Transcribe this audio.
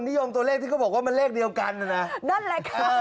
ที่ย่งตัวเลขที่บอกว่ามันเลขเดียวกันอะนะ